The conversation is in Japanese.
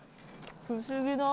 不思議だ。